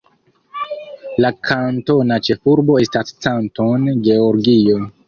La kantona ĉefurbo estas Canton, Georgio.